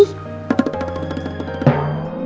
wah aku sekarang pollution